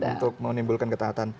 untuk menimbulkan ketahatan